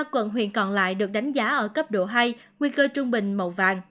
ba quận huyện còn lại được đánh giá ở cấp độ hai nguy cơ trung bình màu vàng